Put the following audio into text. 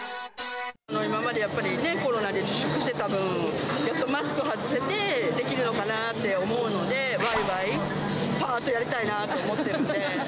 今までやっぱり、コロナで自粛してたぶん、やっとマスク外せて、できるのかなって思うので、わいわい、ぱーっとやりたいなと思ってるんで。